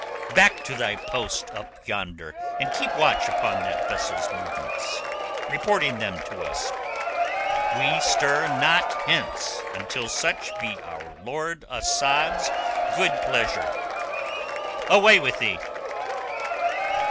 "Back to thy post up yonder, and keep watch upon that vessel's movements, reporting them to us. We stir not hence until such be our lord Asad's good pleasure. Away with thee!"